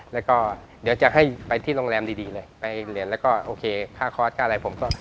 แล้วก็เดี๋ยวจะให้ไปที่โรงแรมดีเลยไปเหรียญแล้วก็โอเคค่าคอร์สค่าอะไรผมก็